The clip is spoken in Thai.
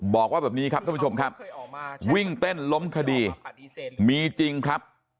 บอกว่าแบบนี้ครับท่านผู้ชมครับวิ่งเต้นล้มคดีมีจริงครับ